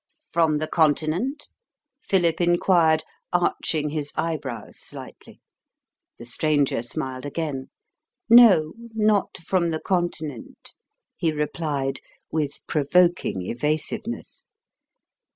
"From the Continent?" Philip inquired, arching his eyebrows slightly. The stranger smiled again. "No, not from the Continent," he replied, with provoking evasiveness.